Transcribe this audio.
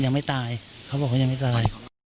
ยังไม่ตายเขาบอกว่ายังไม่ตาย